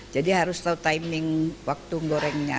jadi harus tahu timing waktu gorengnya